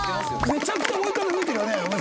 めちゃくちゃ追い風吹いてるよね。